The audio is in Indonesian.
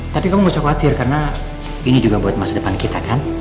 tapi kamu gak usah khawatir karena ini juga buat masa depan kita kan